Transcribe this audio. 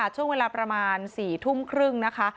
ช่วงเวลาประมาณ๔ทุ่มครึ่งนะคะ